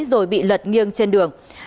rồi bị lật nghiêng trên đường